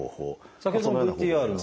先ほどのＶＴＲの。